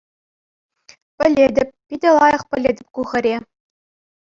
Пӗлетӗп... Питӗ лайӑх пӗлетӗп ку хӗре.